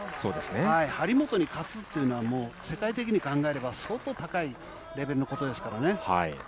張本に勝つっていうのは、もう世界的に考えれば、相当高いレベルのことですからね。